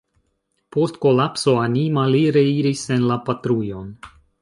Post kolapso anima li reiris en la patrujon.